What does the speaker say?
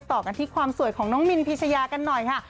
ต่อกันที่ความสวยของน้องมินพิชยากันหน่อยค่ะ